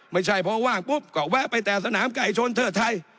ไม่ใช่พอว่างปุ๊บก็แวะไปแต่สนามไก่ชนเทิดไทย